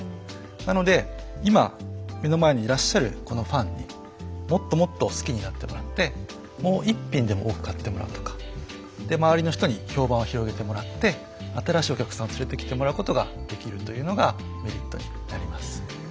なので今目の前にいらっしゃるこのファンにもっともっと好きになってもらってもう１品でも多く買ってもらうとかで周りの人に評判を広げてもらって新しいお客さんを連れてきてもらうことができるというのがメリットになります。